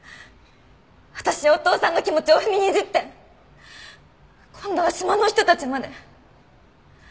私やお父さんの気持ちを踏みにじって今度は島の人たちまで。